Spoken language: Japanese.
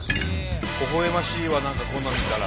ほほ笑ましいわ何かこんなの見たら。